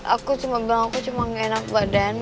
aku cuma bilang aku cuma gak enak badan